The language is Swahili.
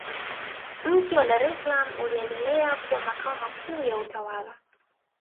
mji wa dar es salaam uliendelea kuwa makao makuu ya utawala